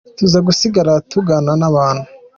Tuza gusigara tungana n’abantu.